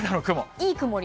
いい曇り？